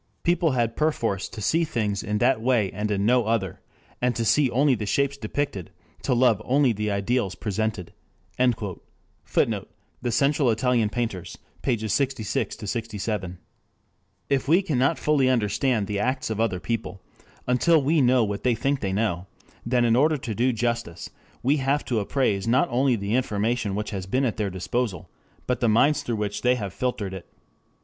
People had perforce to see things in that way and in no other, and to see only the shapes depicted, to love only the ideals presented...." [Footnote: The Central Italian Painters, pp. 66 67.] 2 If we cannot fully understand the acts of other people, until we know what they think they know, then in order to do justice we have to appraise not only the information which has been at their disposal, but the minds through which they have filtered it.